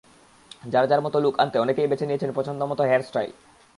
যার যার মতো লুক আনতে অনেকেই বেছে নিয়েছেন পছন্দমতো হেয়ার স্টাইল।